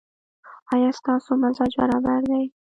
ایا ستاسو مزاج برابر دی؟